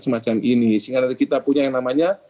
semacam ini sehingga nanti kita punya yang namanya